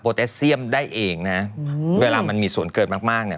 เตสเซียมได้เองนะเวลามันมีส่วนเกินมากมากเนี่ย